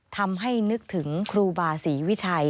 ทำให้นึกถึงครูบาศรีวิชัย